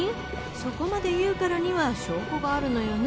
そこまで言うからには証拠があるのよね？